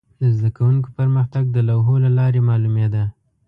د زده کوونکو پرمختګ د لوحو له لارې معلومېده.